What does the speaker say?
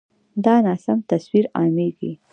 دا ناسم تصویر عامېږي.